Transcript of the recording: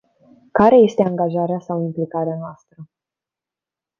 Care este angajarea sau implicarea noastră?